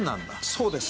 そうです。